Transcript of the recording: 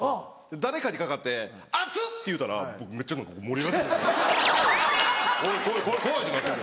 誰かにかかって「熱っ！」て言うたら僕めっちゃ盛り上がって来る来い来い来い来い！